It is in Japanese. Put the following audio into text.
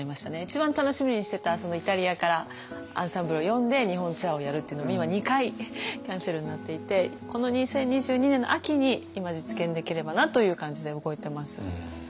一番楽しみにしてたイタリアからアンサンブルを呼んで日本ツアーをやるっていうのも今２回キャンセルになっていてこの２０２２年の秋に今実現できればなという感じで動いてます。